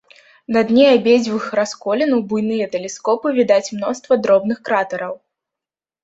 На дне абедзвюх расколін у буйныя тэлескопы відаць мноства дробных кратэраў.